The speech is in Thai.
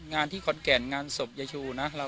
วันนี้ก็จะเป็นสวัสดีครับ